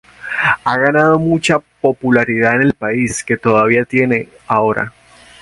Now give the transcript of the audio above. Ha ganado mucha popularidad en el país, que todavía tiene ahora.